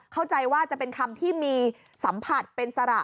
เข้าใจว่าจะเป็นคำที่มีสัมผัสเป็นสระ